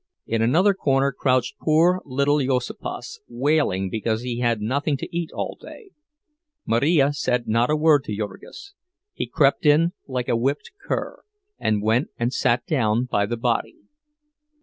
In another corner crouched poor little Juozapas, wailing because he had had nothing to eat all day. Marija said not a word to Jurgis; he crept in like a whipped cur, and went and sat down by the body.